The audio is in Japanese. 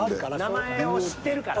名前を知ってるから？